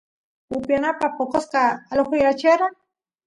upiyanapaq poqosta alojayachera